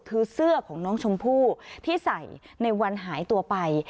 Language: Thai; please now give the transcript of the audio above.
คือเสื้อของน้องชมพู่ที่ใส่ในวันหายตัวไป